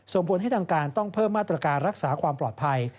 ส่งผลให้ทางการต้องเพิ่มมาตรการรักษาความปลอดภัย